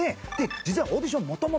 実はオーディション元々。